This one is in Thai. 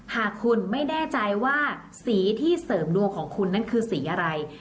หากคุณไม่แน่ใจว่าสีที่เสริมดวงของคุณนั้นคือสีอะไร